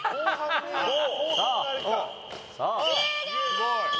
すごい。